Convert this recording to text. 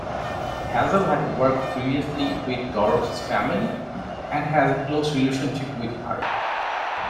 Hazel had worked previously with Dorothy's family, and has a close relationship with her.